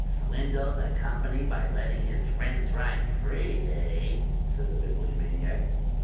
"Swindled the Company by letting his friends ride free, eh?" said the Bibliomaniac.